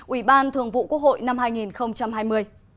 ubthqh năm hai nghìn hai mươi